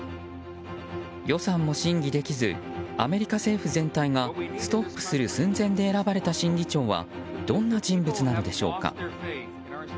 予算も審議できずアメリカ政府全体がストップする寸前で選ばれた新議長はどんな人物なのでしょうか。